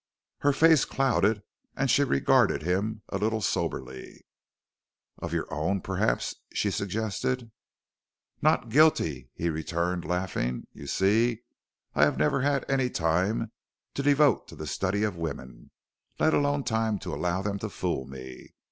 Her face clouded and she regarded him a little soberly. "Of your own, perhaps?" she suggested. "Not guilty," he returned laughing. "You see, I have never had any time to devote to the study of women, let alone time to allow them to fool me.